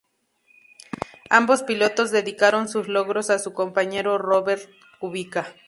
Ambos pilotos dedicaron sus logros a su compañero Robert Kubica.